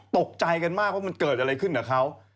ตกใจกันมากว่ามันเกิดอะไรขึ้นกับเขา